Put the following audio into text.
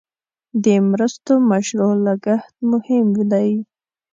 د مرستو مشروع لګښت مهم دی.